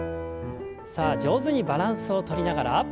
さあ上手にバランスをとりながら。